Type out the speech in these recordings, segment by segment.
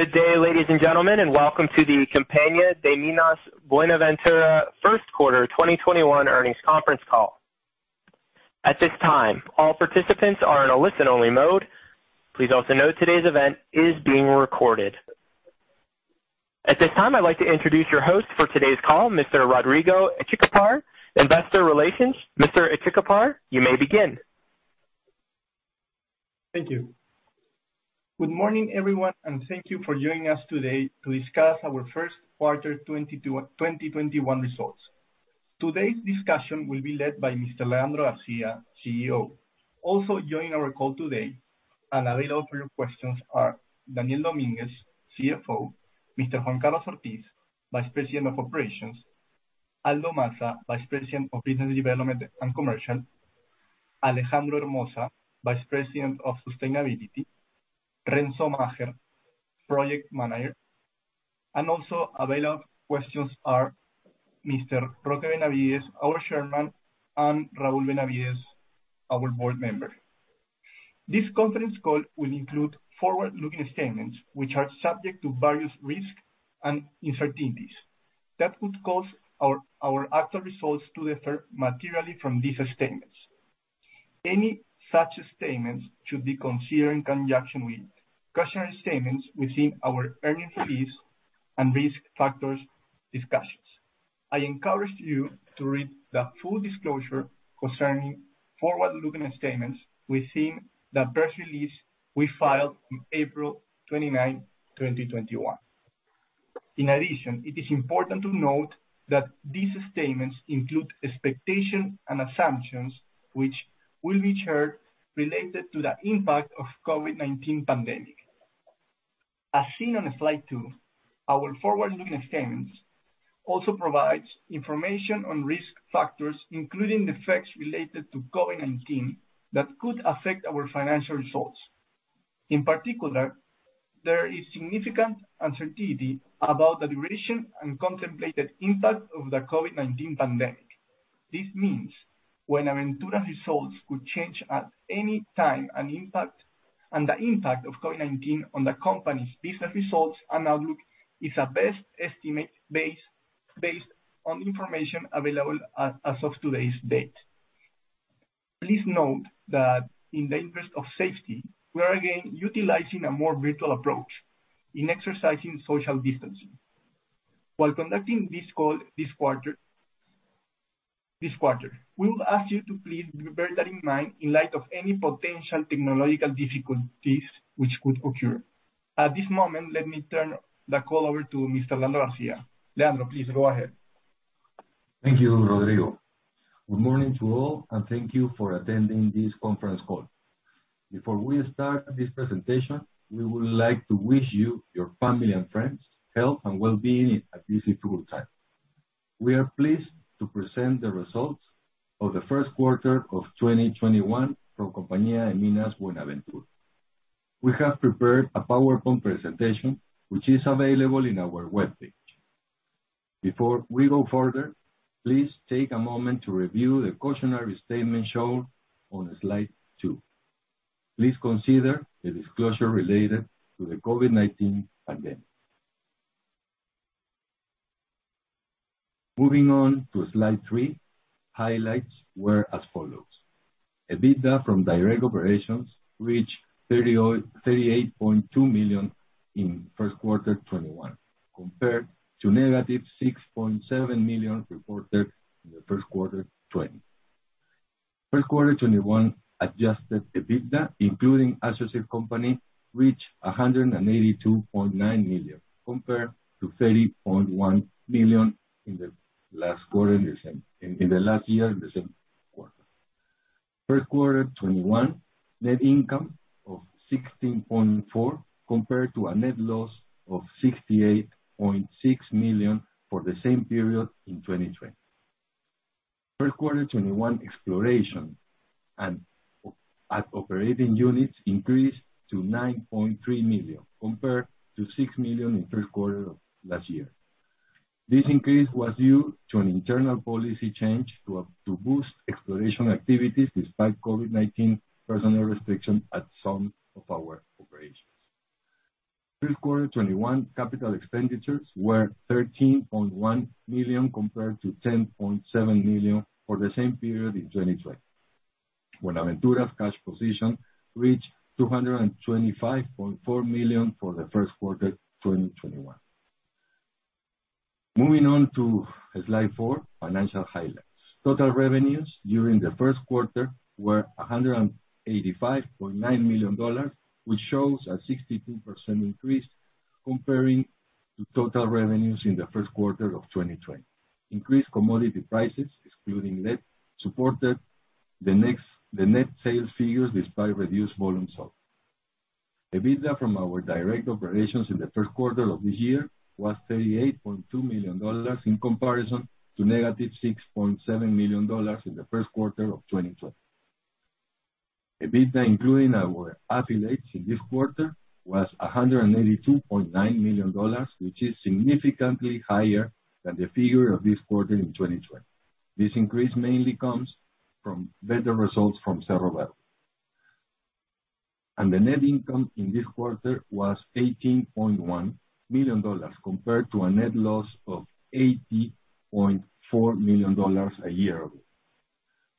Good day, ladies and gentlemen, and welcome to the Compañía de Minas Buenaventura First Quarter 2021 Earnings Conference Call. At this time, all participants are in a listen-only mode. Please also note today's event is being recorded. At this time, I'd like to introduce your host for today's call, Mr. Rodrigo Echecopar, Investor Relations. Mr. Echecopar, you may begin. Thank you. Good morning, everyone, and thank you for joining us today to discuss our first quarter 2021 results. Today's discussion will be led by Mr. Leandro García, CEO. Also joining our call today and available for your questions are Daniel Dominguez, CFO, Mr. Juan Carlos Ortiz, Vice President of Operations, Aldo Massa, Vice President of Business Development and Commercial, Alejandro Hermoza, Vice President of Sustainability, Renzo Macher, Project Manager, and also available for questions are Mr. Roque Benavides, our Chairman, and Raúl Benavides, our Board Member. This conference call will include forward-looking statements, which are subject to various risks and uncertainties that could cause our actual results to differ materially from these statements. Any such statements should be considered in conjunction with cautionary statements within our earnings release and risk factors discussions. I encourage you to read the full disclosure concerning forward-looking statements within the press release we filed on April 29, 2021. It is important to note that these statements include expectations and assumptions, which will be shared, related to the impact of COVID-19 pandemic. As seen on slide two, our forward-looking statements also provide information on risk factors, including the facts related to COVID-19, that could affect our financial results. In particular, there is significant uncertainty about the duration and contemplated impact of the COVID-19 pandemic. This means when Buenaventura results could change at any time, and the impact of COVID-19 on the company's business results and outlook is a best estimate based on information available as of today's date. Please note that in the interest of safety, we are again utilizing a more virtual approach in exercising social distancing while conducting this call this quarter. We would ask you to please bear that in mind in light of any potential technological difficulties which could occur. At this moment, let me turn the call over to Mr. Leandro García. Leandro, please go ahead. Thank you, Rodrigo. Good morning to all, and thank you for attending this conference call. Before we start this presentation, we would like to wish you, your family, and friends health and well-being at this difficult time. We are pleased to present the results of the first quarter of 2021 for Compañía de Minas Buenaventura. We have prepared a PowerPoint presentation, which is available on our webpage. Before we go further, please take a moment to review the cautionary statement shown on slide two. Please consider the disclosure related to the COVID-19 pandemic. Moving on to slide three, highlights were as follows. EBITDA from direct operations reached $38.2 million in first quarter 2021, compared to $-6.7 million reported in the first quarter 2020. First quarter 2021 adjusted EBITDA, including associate company, reached $182.9 million, compared to $30.1 million in the last year, the same quarter. First quarter 2021 net income of $16.4 million, compared to a net loss of $68.6 million for the same period in 2020. First quarter 2021 exploration and operating units increased to $9.3 million, compared to $6 million in first quarter of last year. This increase was due to an internal policy change to boost exploration activities despite COVID-19 personnel restrictions at some of our operations. First quarter 2021 capital expenditures were $13.1 million, compared to $10.7 million for the same period in 2020. Buenaventura's cash position reached $225.4 million for the first quarter 2021. Moving on to slide four, financial highlights. Total revenues during the first quarter were $185.9 million, which shows a 62% increase comparing to total revenues in the first quarter of 2020. Increased commodity prices, excluding lead, supported the net sales figures despite reduced volumes sold. EBITDA from our direct operations in the first quarter of this year was $38.2 million in comparison to $-6.7 million in the first quarter of 2020. EBITDA including our affiliates in this quarter was $182.9 million, which is significantly higher than the figure of this quarter in 2020. This increase mainly comes from better results from Cerro Verde. The net income in this quarter was $18.1 million compared to a net loss of $80.4 million a year ago.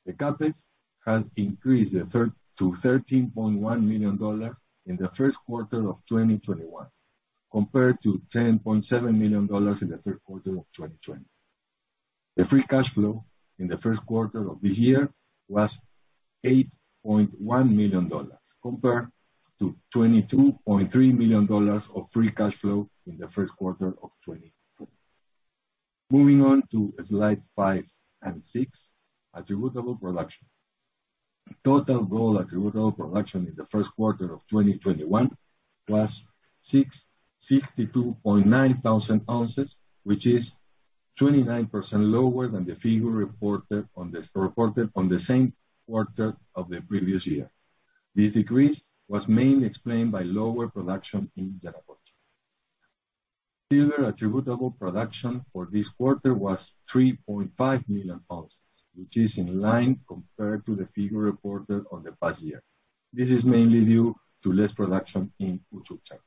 The CapEx has increased to $13.1 million in the first quarter of 2021 compared to $10.7 million in the first quarter of 2020. The free cash flow in the first quarter of the year was $8.1 million compared to $22.3 million of free cash flow in the first quarter of 2020. Moving on to slide five and six, attributable production. Total gold attributable production in the first quarter of 2021 was 62,900 oz, which is 29% lower than the figure reported on the same quarter of the previous year. This decrease was mainly explained by lower production in Yanacocha. Silver attributable production for this quarter was 3.5 Moz, which is in line compared to the figure reported on the past year. This is mainly due to less production in Uchucchacua.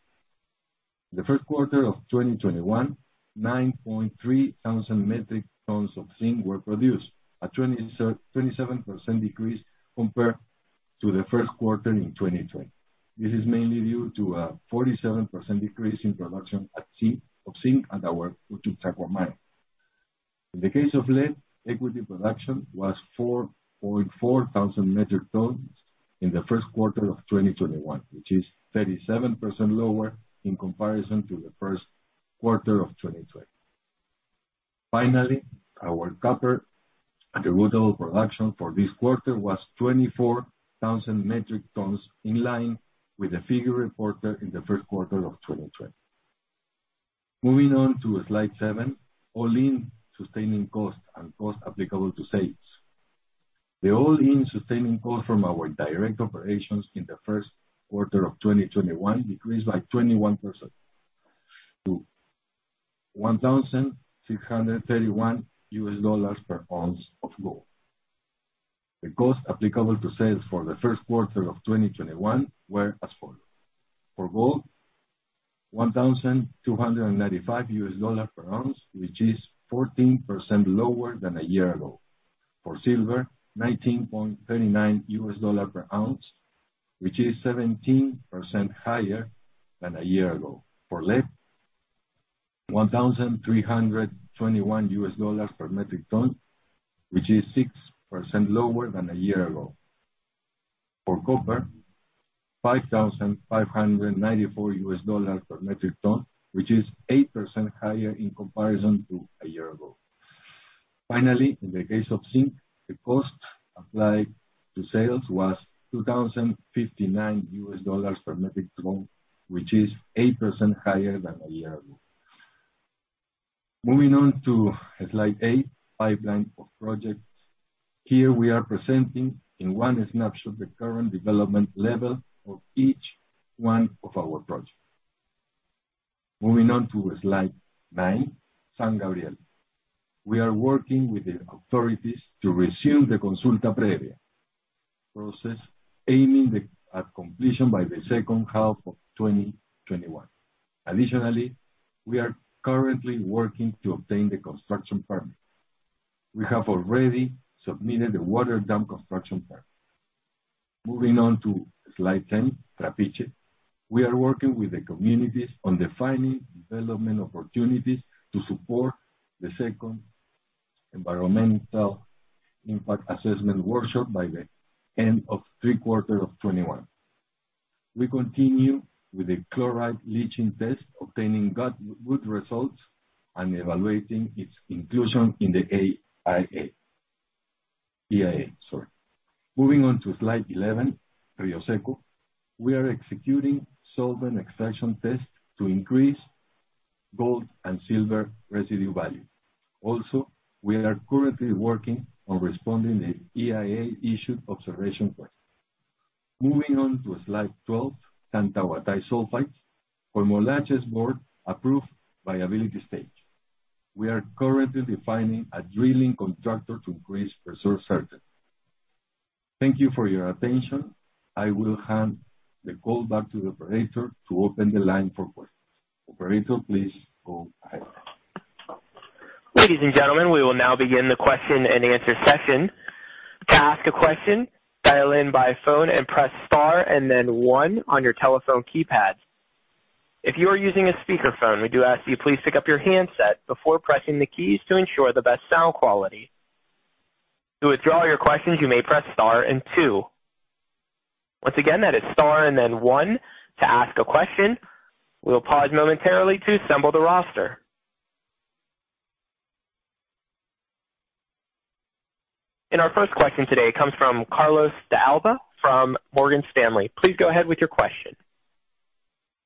The first quarter of 2021, 9,300 metric tons of zinc were produced, a 27% decrease compared to the first quarter in 2020. This is mainly due to a 47% decrease in production of zinc at our Uchucchacua mine. In the case of lead, equity production was 4,440 metric tons in the first quarter of 2021, which is 37% lower in comparison to the first quarter of 2020. Finally, our copper attributable production for this quarter was 24,000 metric tons, in line with the figure reported in the first quarter of 2020. Moving on to slide seven, all-in sustaining cost and cost applicable to sales. The all-in sustaining cost from our direct operations in the first quarter of 2021 decreased by 21% to $1,631 per oz of gold. The cost applicable to sales for the first quarter of 2021 were as follows. For gold, $1,295 per oz, which is 14% lower than a year ago. For silver, $19.39 per oz, which is 17% higher than a year ago. For lead, $1,321 per metric ton, which is 6% lower than a year ago. For copper, $5,594 per metric ton, which is 8% higher in comparison to a year ago. Finally, in the case of zinc, the cost applied to sales was $2,059 per metric ton, which is 8% higher than a year ago. Moving on to slide eight, pipeline of projects. Here we are presenting in one snapshot the current development level of each one of our projects. Moving on to slide nine, San Gabriel. We are working with the authorities to resume the Consulta Previa process, aiming at completion by the second half of 2021. Additionally, we are currently working to obtain the construction permit. We have already submitted the water dam construction permit. Moving on to slide 10, Trapiche. We are working with the communities on defining development opportunities to support the second environmental impact assessment workshop by the end of [third-quarter] of 2021. We continue with the chloride leaching test, obtaining good results and evaluating its inclusion in the EIA, sorry. Moving on to slide 11, Rio Seco. We are executing solvent extraction tests to increase gold and silver residue value. Also, we are currently working on responding to the EIA-issued observation points. Moving on to slide 12, Tantahuatay Sulfides. Coimolache's board approved viability stage. We are currently defining a drilling contractor to increase reserve certainty. Thank you for your attention. I will hand the call back to the operator to open the line for questions. Operator, please go ahead. Ladies and gentlemen we will now begin the question-and-answer session. To ask a question dial-in by phone and press star and then one on your telephone keypad, If you're using a speakerphone we do ask you please pick up your handset before pressing the keys to ensure the best sound quality. To withdraw your question you may press star and two. Once again that is star and then one to ask a question. We'll pause momentarily to assemble the roster. Our first question today comes from Carlos De Alba from Morgan Stanley. Please go ahead with your question.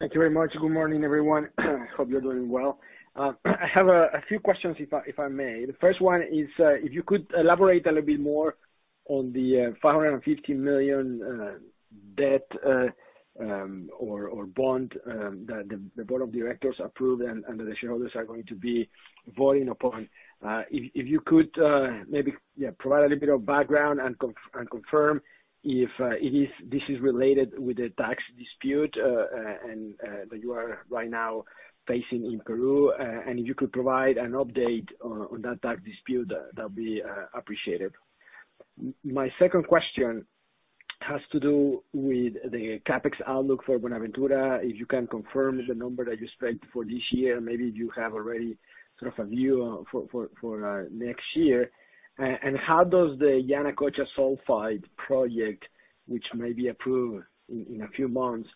Thank you very much. Good morning, everyone. Hope you're doing well. I have a few questions, if I may. The first one is, if you could elaborate a little bit more on the $550 million debt or bond that the Board of Directors approved and that the shareholders are going to be voting upon. If you could maybe provide a little bit of background and confirm if this is related with the tax dispute that you are right now facing in Peru, and if you could provide an update on that tax dispute, that'd be appreciated. My second question has to do with the CapEx outlook for Buenaventura. If you can confirm the number that you expect for this year, maybe you have already sort of a view for next year. How does the Yanacocha Sulfides project, which may be approved in a few months,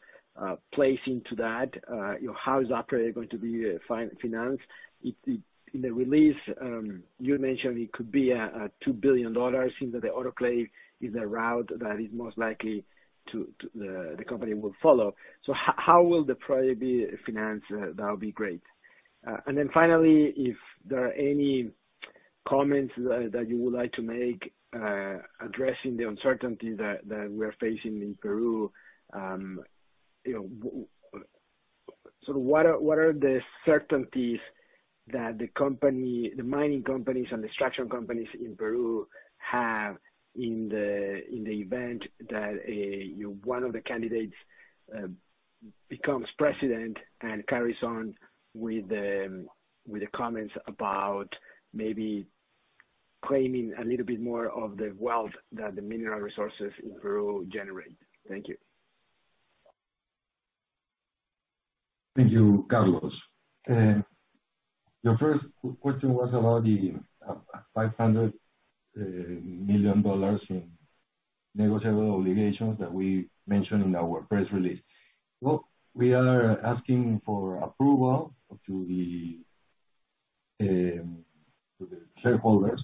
play into that? How is that project going to be financed? In the release, you mentioned it could be a $2 billion in the autoclave, is a route that is most likely the company will follow. How will the project be financed? That'll be great. Finally, if there are any comments that you would like to make addressing the uncertainty that we're facing in Peru. What are the certainties that the mining companies and extraction companies in Peru have in the event that one of the candidates becomes President and carries on with the comments about maybe claiming a little bit more of the wealth that the mineral resources in Peru generate? Thank you. Thank you, Carlos. The first question was about the $500 million in negotiable obligations that we mentioned in our press release. Well, we are asking for approval to the shareholders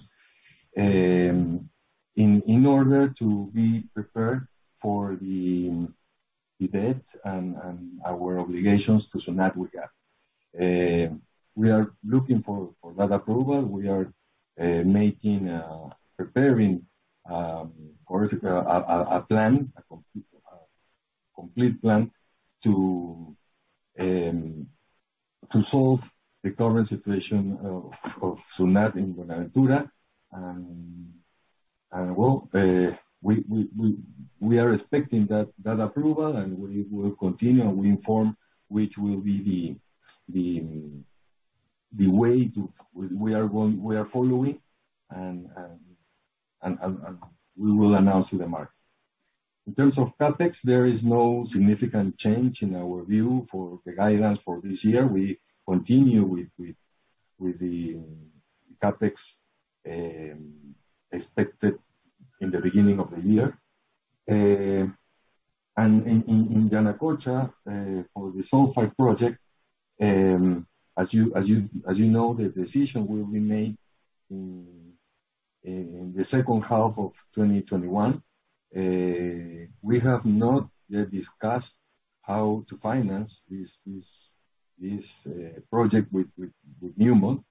in order to be prepared for the debt and our obligations to SUNAT we have. We are looking for that approval. We are preparing a plan, a complete plan, to solve the current situation of SUNAT in Buenaventura. Well, we are expecting that approval, and we will continue, and we inform which will be the way we are following, and we will announce to the market. In terms of CapEx, there is no significant change in our view for the guidance for this year. We continue with the CapEx expected in the beginning of the year. In Yanacocha, for the Sulfides project, as you know, the decision will be made in the second half of 2021. We have not yet discussed how to finance this project with Newmont.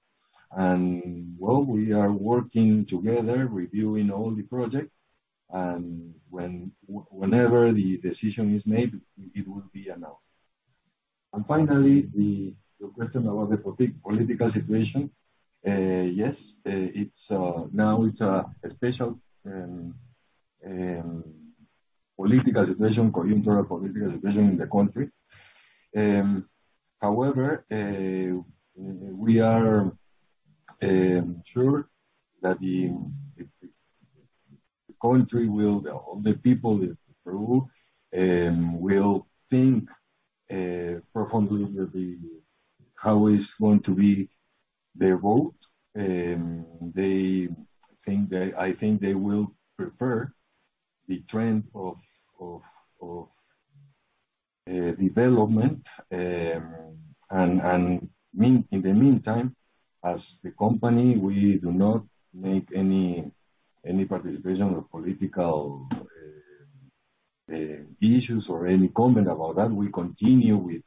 Well, we are working together, reviewing all the projects, and whenever the decision is made, it will be announced. Finally, your question about the political situation. Yes, now it's a special political situation, internal political situation in the country. However, we are sure that the country will, all the people in Peru, will think profoundly how it's going to be their vote. I think they will prefer the trend of development. In the meantime, as the company, we do not make any participation of political issues or any comment about that. We continue with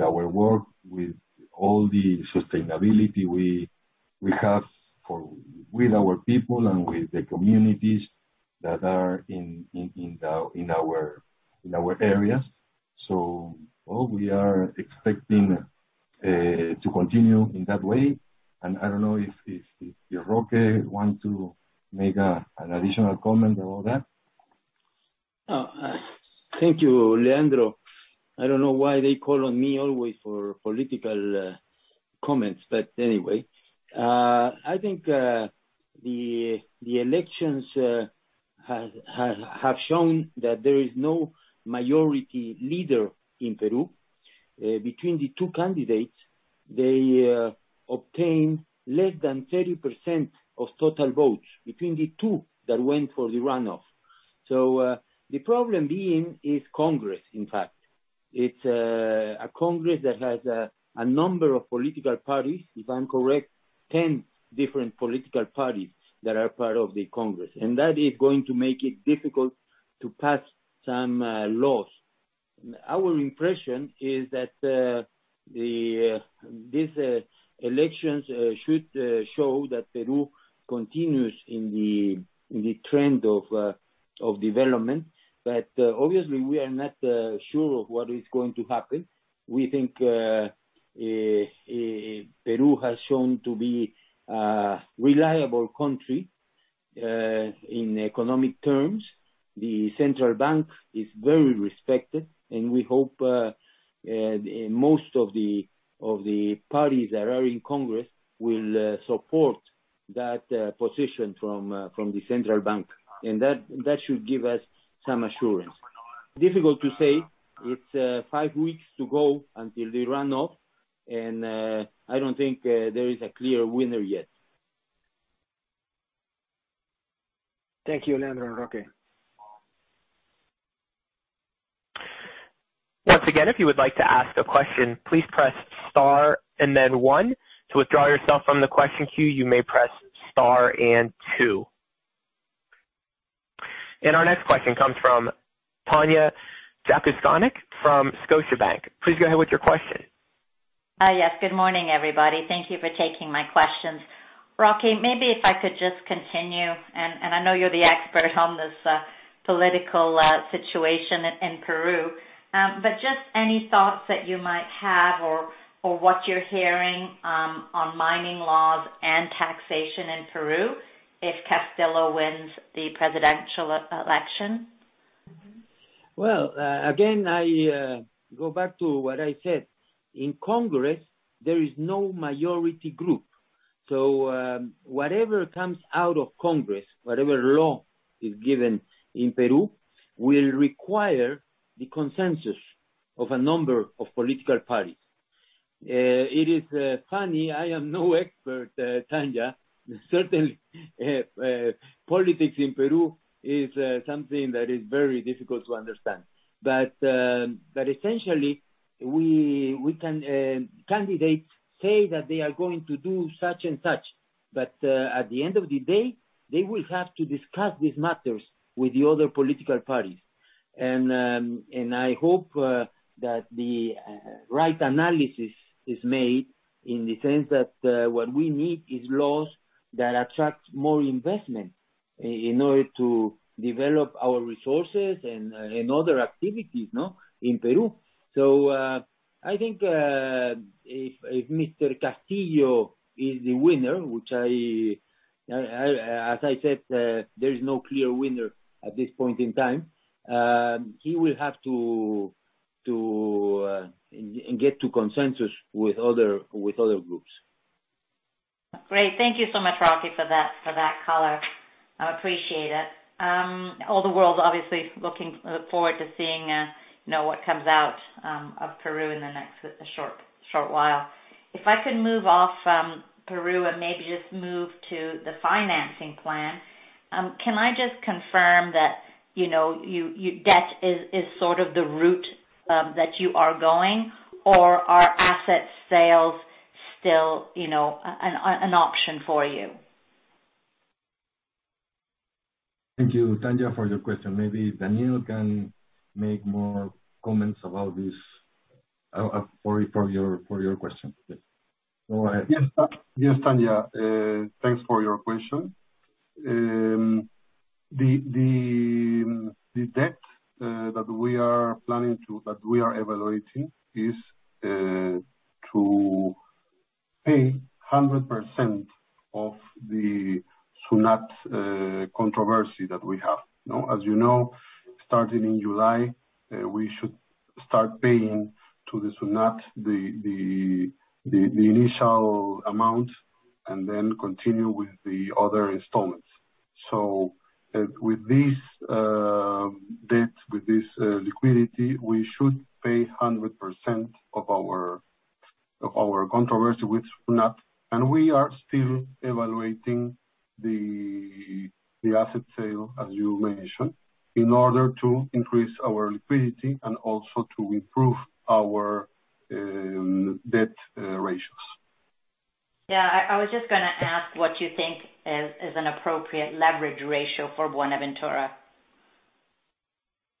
our work, with all the sustainability we have with our people and with the communities that are in our areas. Well, we are expecting to continue in that way. I don't know if Roque wants to make an additional comment about that. Thank you, Leandro. I don't know why they call on me always for political comments, anyway. I think the elections have shown that there is no majority leader in Peru. Between the two candidates, they obtained less than 30% of total votes. Between the two that went for the runoff. The problem being is Congress, in fact. It's a Congress that has a number of political parties. If I'm correct, 10 different political parties that are part of the Congress. That is going to make it difficult to pass some laws. Our impression is that these elections should show that Peru continues in the trend of development. Obviously, we are not sure of what is going to happen. We think Peru has shown to be a reliable country in economic terms. The central bank is very respected, and we hope most of the parties that are in Congress will support that position from the central bank, and that should give us some assurance. Difficult to say. It's five weeks to go until the runoff, and I don't think there is a clear winner yet. Thank you, Leandro and Roque. Once again, if you would like to ask a question, please press star and then one. To withdraw yourself from the question queue, you may press star and two. Our next question comes from Tanya Jakusconek from Scotiabank. Please go ahead with your question. Yes. Good morning, everybody. Thank you for taking my questions. Roque, maybe if I could just continue, and I know you're the expert on this political situation in Peru. Just any thoughts that you might have or what you're hearing on mining laws and taxation in Peru if Castillo wins the presidential election? Well, again, I go back to what I said. In Congress, there is no majority group. Whatever comes out of Congress, whatever law is given in Peru, will require the consensus of a number of political parties. It is funny, I am no expert, Tanya. Certainly, politics in Peru is something that is very difficult to understand. Essentially, candidates say that they are going to do such and such. At the end of the day, they will have to discuss these matters with the other political parties. I hope that the right analysis is made in the sense that what we need is laws that attract more investment in order to develop our resources and other activities in Peru. I think if Mr. Castillo is the winner, which, as I said, there is no clear winner at this point in time, he will have to get to consensus with other groups. Great. Thank you so much, Roque, for that color. I appreciate it. All the world obviously looking forward to seeing what comes out of Peru in the next short while. If I could move off from Peru and maybe just move to the financing plan, can I just confirm that debt is sort of the route that you are going, or are asset sales still an option for you? Thank you, Tanya, for your question. Maybe Daniel can make more comments about this for your question. Yes. Go ahead. Yes, Tanya. Thanks for your question. The debt that we are evaluating is to pay 100% of the SUNAT controversy that we have. As you know, starting in July, we should start paying to the SUNAT the initial amount, and then continue with the other installments. With this debt, with this liquidity, we should pay 100% of our controversy with SUNAT. We are still evaluating the asset sale, as you mentioned, in order to increase our liquidity and also to improve our debt ratios. Yeah, I was just going to ask what you think is an appropriate leverage ratio for Buenaventura?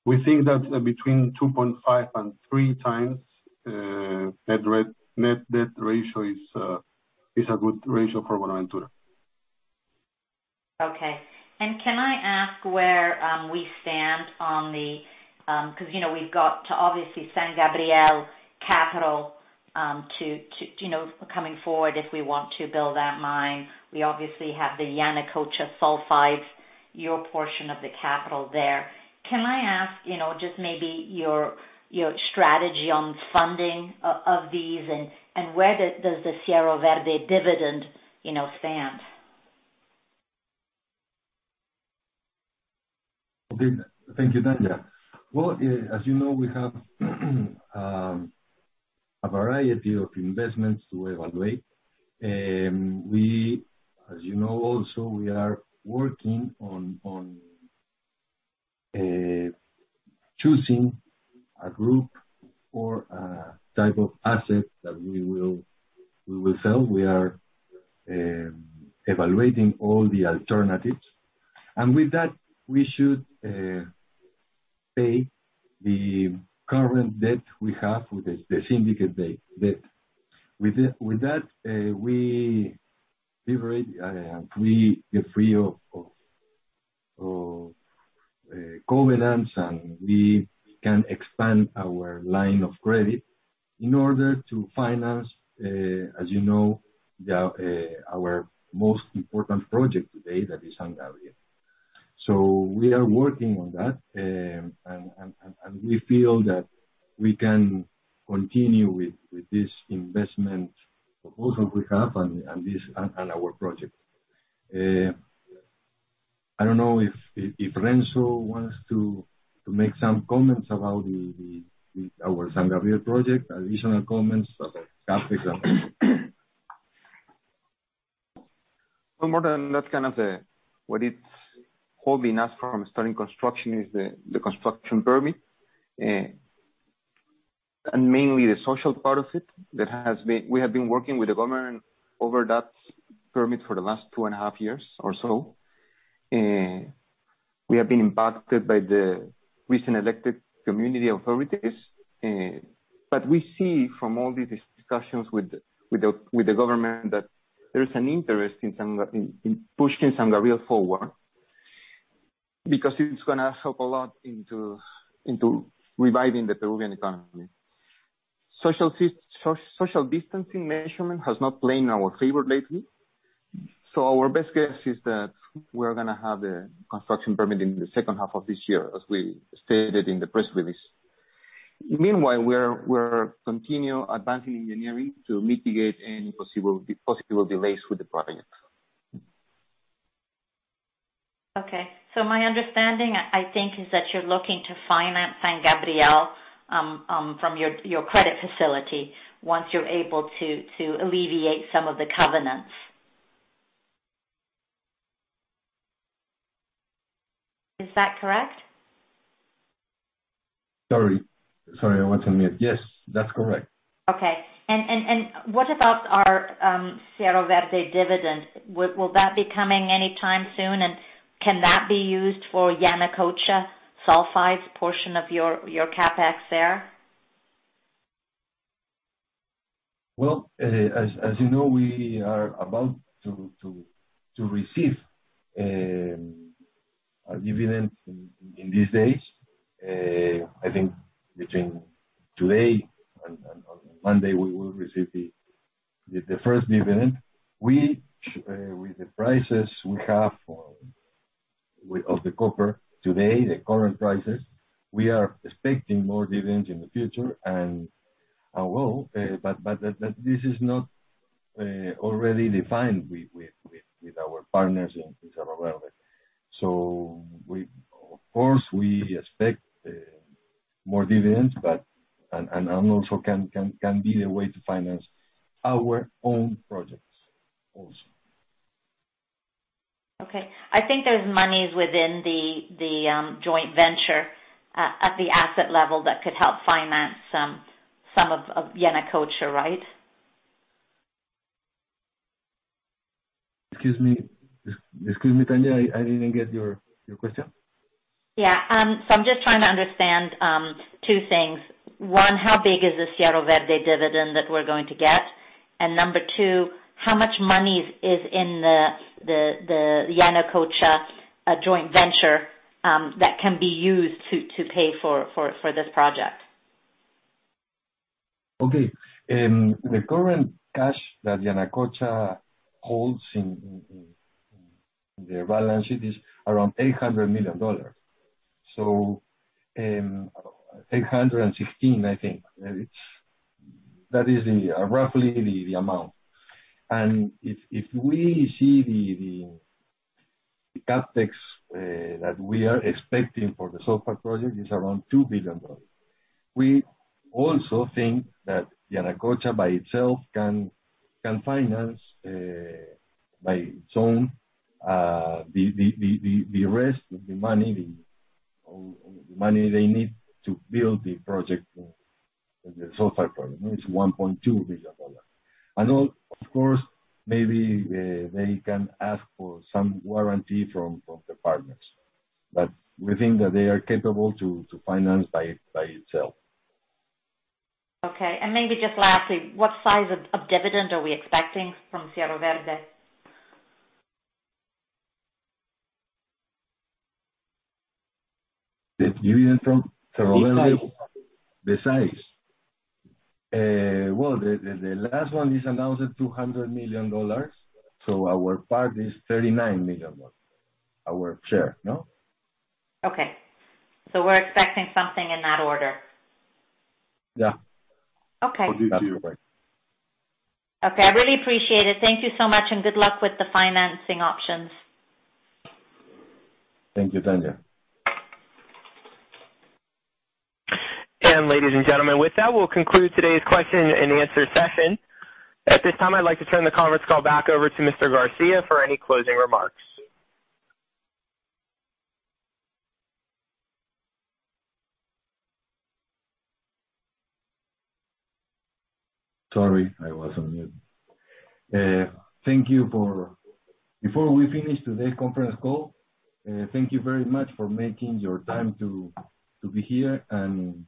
We think that between 2.5x and 3x net debt ratio is a good ratio for Buenaventura. Okay. Can I ask where we stand? Because we've got to obviously San Gabriel capital coming forward if we want to build that mine. We obviously have the Yanacocha Sulfides, your portion of the capital there. Can I ask just maybe your strategy on funding of these and where does the Cerro Verde dividend stand? Okay. Thank you, Tanya. Well, as you know, we have a variety of investments to evaluate. As you know also, we are working on choosing a group or type of assets that we will sell. We are evaluating all the alternatives. With that, we should pay the current debt we have with the syndicate debt. With that, we get free of covenants, and we can expand our line of credit in order to finance, as you know, our most important project today, that is San Gabriel. We are working on that. We feel that we can continue with this investment proposal we have and our project. I don't know if Renzo wants to make some comments about our San Gabriel project, additional comments about CapEx. Well, more than that, what it's holding us from starting construction is the construction permit. Mainly the social part of it. We have been working with the government over that permit for the last two and a half years or so. We have been impacted by the recent elected community authorities. We see from all these discussions with the government that there is an interest in pushing San Gabriel forward, because it's going to help a lot into reviving the Peruvian economy. Social distancing measurement has not played in our favor lately. Our best guess is that we're going to have the construction permit in the second half of this year, as we stated in the press release. Meanwhile, we're continue advancing engineering to mitigate any possible delays with the project. Okay. My understanding, I think, is that you're looking to finance San Gabriel from your credit facility once you're able to alleviate some of the covenants. Is that correct? Sorry. Sorry, I was on mute. Yes, that's correct Okay. What about our Cerro Verde dividend? Will that be coming any time soon? Can that be used for Yanacocha Sulfides portion of your CapEx there? Well, as you know, we are about to receive our dividend in these days. I think between today and Monday, we will receive the first dividend. With the prices we have of the copper today, the current prices, we are expecting more dividends in the future, and I will. This is not already defined with our partners in Cerro Verde. Of course, we expect more dividends, and also can be the way to finance our own projects also. Okay. I think there's monies within the joint venture at the asset level that could help finance some of Yanacocha, right? Excuse me. Excuse me, Tanya. I didn't get your question. Yeah. I'm just trying to understand two things. One, how big is the Cerro Verde dividend that we're going to get? Number two, how much money is in the Yanacocha joint venture that can be used to pay for this project? Okay. The current cash that Yanacocha holds in their balance sheet is around $800 million. $816 million, I think. That is roughly the amount. If we see the CapEx that we are expecting for the Sulfides project is around $2 billion. We also think that Yanacocha by itself can finance by its own the rest of the money they need to build the project, the Sulfides project. It's $1.2 billion. Of course, maybe they can ask for some warranty from the partners. We think that they are capable to finance by itself. Okay. Maybe just lastly, what size of dividend are we expecting from Cerro Verde? The dividend from Cerro Verde? The size. Well, the last one is $200 million. Our part is $39 million. Our share. No? Okay. We're expecting something in that order. Yeah. Okay. right. Okay. I really appreciate it. Thank you so much. Good luck with the financing options. Thank you, Tanya. Ladies and gentlemen, with that, we'll conclude today's question-and-answer session. At this time, I'd like to turn the conference call back over to Mr. García for any closing remarks. Sorry, I was on mute. Before we finish today's conference call, thank you very much for making your time to be here, and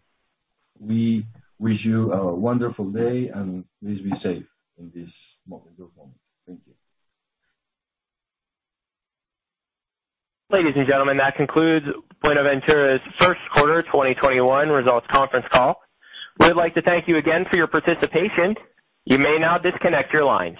we wish you a wonderful day, and please be safe in this moment. Thank you. Ladies and gentlemen, that concludes Buenaventura's first quarter 2021 results conference call. We would like to thank you again for your participation. You may now disconnect your line.